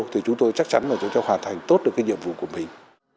thì chúng tôi chắc chắn là chúng ta hoàn thành tốt được cái nhiệm vụ của mình